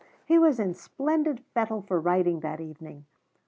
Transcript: He was in splendid fettle for writing that evening.